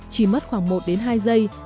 chỉ mất khoảng một đến hai giây